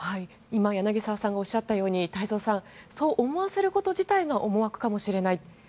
今、柳澤さんがおっしゃったようにそう思わせること自体が思惑かもしれない。